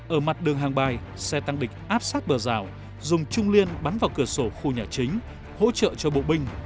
ở mặt đường hàng bài xe tăng địch áp sát bờ rào dùng trung liên bắn vào cửa sổ khu nhà chính hỗ trợ cho bộ binh